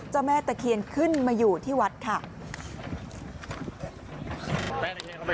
แม่ตะเคียนขึ้นมาอยู่ที่วัดค่ะ